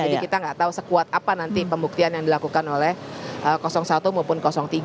jadi kita gak tahu sekuat apa nanti pembuktian yang dilakukan oleh satu maupun tiga